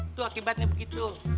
itu akibatnya begitu